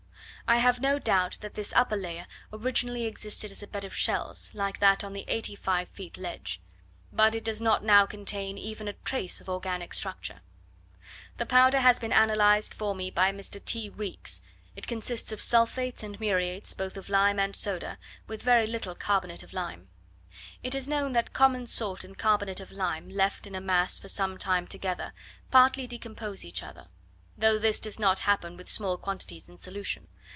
I have no doubt that this upper layer originally existed as a bed of shells, like that on the eighty five feet ledge; but it does not now contain even a trace of organic structure. The powder has been analyzed for me by Mr. T. Reeks; it consists of sulphates and muriates both of lime and soda, with very little carbonate of lime. It is known that common salt and carbonate of lime left in a mass for some time together, partly decompose each other; though this does not happen with small quantities in solution.